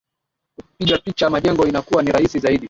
Kupiga picha majengo inakuwa ni rahisi zaidi